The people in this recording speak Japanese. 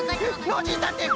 ノージーたんてい